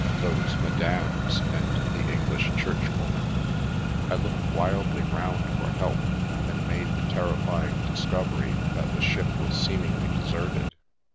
Those Madames and the English Churchwoman" I looked wildly round for help, and made the terrify ing discovery that the ship was seemingly deserted.